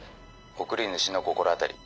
送り主の心当たり。